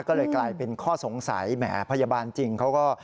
ก็เลยกลายเป็นข้อสงสัยแหมพยาบาลจริงเขาก็